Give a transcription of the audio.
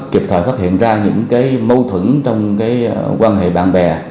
kịp thời phát hiện ra những mâu thuẫn trong quan hệ bạn bè